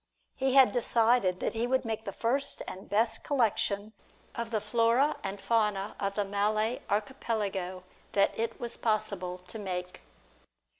He had decided that he would make the first and the best collection of the flora and fauna of the Malay Archipelago that it was possible to make.